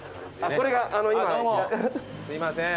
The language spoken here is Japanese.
すいません。